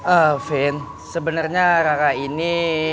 ah vin sebenernya rara ini